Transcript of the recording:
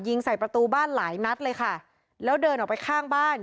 ยิงใส่ประตูบ้านหลายนัดเลยค่ะแล้วเดินออกไปข้างบ้าน